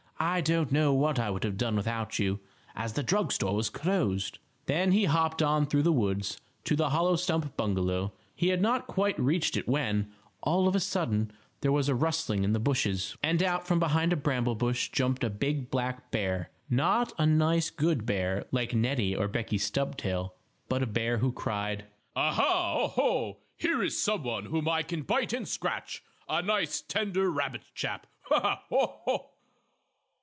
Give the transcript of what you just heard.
I don't know what I would have done without you, as the drug store was closed." Then he hopped on through the woods to the hollow stump bungalow. He had not quite reached it when, all of a sudden, there was a rustling in the hushes, and out from behind a bramble bush jumped a big black bear. Not a nice good bear, like Neddie or Beckie Stubtail, but a bear who cried: "Ah, ha! Oh, ho! Here is some one whom I can bite and scratch! A nice tender rabbit chap! Ah, ha! Oh, ho!"